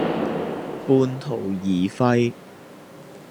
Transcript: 半途而廢